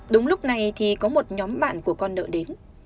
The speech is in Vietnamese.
đúng lúc này thì có một nhóm bạn của con nợ đến